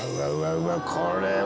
うわこれは！